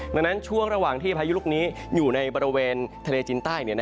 ดังนั้นช่วงระหว่างที่พายุลูกนี้อยู่ในบริเวณทะเลจินใต้